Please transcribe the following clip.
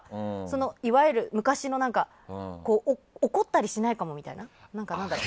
いわゆる昔の怒ったりしないかもみたいな。